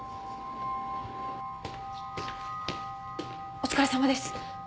お疲れさまです。